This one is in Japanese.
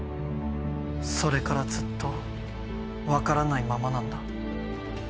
それからずっと分からないままなんだ。